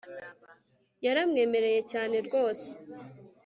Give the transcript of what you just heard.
yara mwemereye cyane rwose